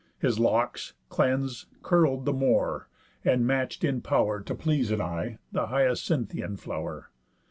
His locks, cleans'd, curl'd the more, and match'd, in pow'r To please an eye, the hyacinthian flow'r.